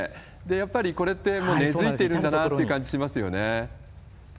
やっぱりこれって根づいてるんだなって感じしますよね。